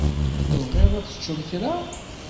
Tebɣiḍ ad teččeḍ kra?